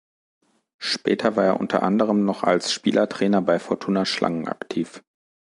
Später war er unter anderem noch als Spielertrainer bei Fortuna Schlangen aktiv.